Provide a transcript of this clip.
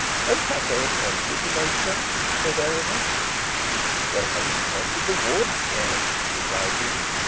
'And have they appointed the matron?' said Eleanor. 'They haven't appointed the warden yet,' replied he.